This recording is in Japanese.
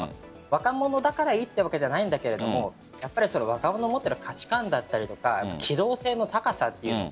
若者だから良いというわけじゃないんだけれどもやっぱり若者が持っている価値観だったり機動性の高さというもの